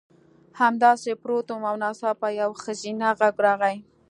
همداسې پروت وم او ناڅاپه یو ښځینه غږ راغی